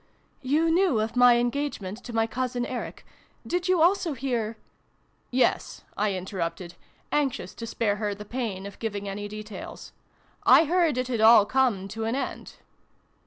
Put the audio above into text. "You knew of my engagement to my cousin Eric. Did you also hear " Yes," I interrupted, anxious to spare her the pain of giving any details. " I heard it had all come to an end."